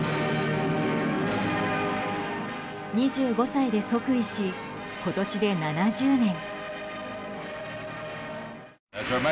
２５歳で即位し、今年で７０年。